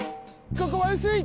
ここはうすい！